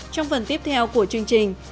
trong phần tiếp theo của chương trình